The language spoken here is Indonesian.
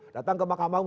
datang ke makam baung